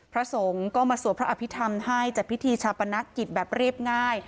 พระสงฆ์ก็มาสวดพระอภิษฐรรมให้จัดพิธีชาปนกิจแบบเรียบง่าย